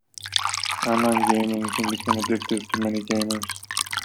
Online gaming can become addictive to many gamers.